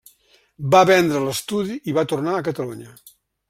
Va vendre l'estudi i va tornar a Catalunya.